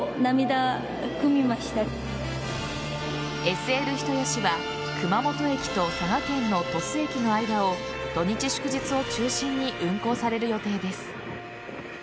ＳＬ人吉は熊本駅と佐賀県の鳥栖駅の間を土日祝日を中心に運行される予定です。